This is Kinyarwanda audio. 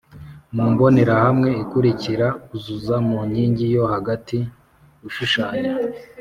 Mu mbonerahamwe ikurikira uzuza mu nkingi yo hagati ushushanya